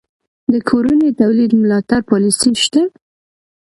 د کورني تولید ملاتړ پالیسي شته؟